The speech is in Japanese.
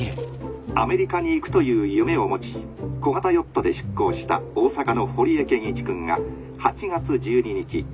アメリカに行くという夢を持ち小型ヨットで出航した大阪の堀江謙一君が８月１２日